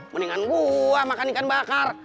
mendingan gua makan ikan bakar